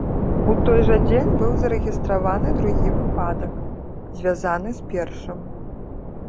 У той жа дзень быў зарэгістраваны другі выпадак, звязаны з першым.